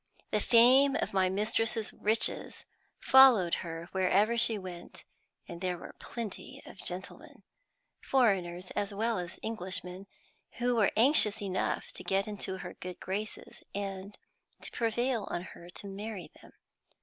The fame of my mistress's riches followed her wherever she went; and there were plenty of gentlemen, foreigners as well as Englishmen, who were anxious enough to get into her good graces and to prevail on her to marry them.